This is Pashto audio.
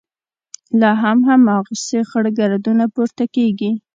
لا هم هماغسې خړ ګردونه پورته کېږي.